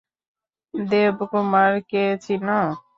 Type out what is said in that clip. দেবকুমার কে চিনো?